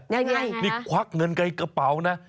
ยังไงครับนี่ควักเงินใกล้กระเป๋านะ